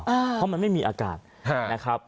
เพราะมันไม่มีอากาศนะครับ